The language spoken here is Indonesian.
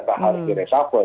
tak harus diresafel